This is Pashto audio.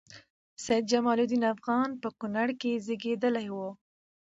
سيدجمال الدين افغان په کونړ کې زیږیدلی وه